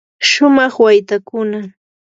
shumaq waytakuna.